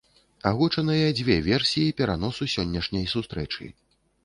Агучаныя дзве версіі пераносу сённяшняй сустрэчы.